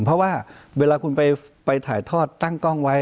เพราะว่าเวลาคุณไปถ่ายทอดตั้งกล้องไว้